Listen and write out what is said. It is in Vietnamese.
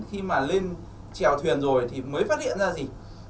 khi mà lên trèo thuyền rồi thì mới phát hiện ra gì